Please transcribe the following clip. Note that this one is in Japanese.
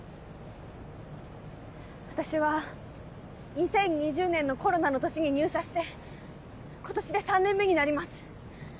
私は２０２０年のコロナの年に入社して今年で３年目になります。